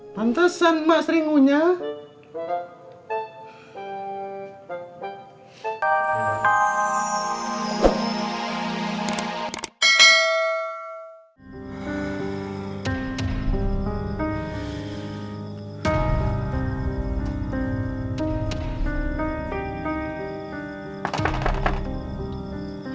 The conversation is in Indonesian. pantesan emak sering ngunyah